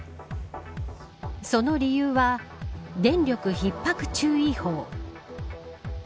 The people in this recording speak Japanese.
その理由は電力ひっ迫注意報。